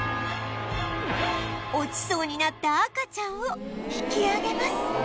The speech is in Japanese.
落ちそうになった赤ちゃんを引き上げます